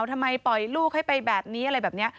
ทำไมปล่อยลูกให้ไปแบบนี้อะไรแบบนี้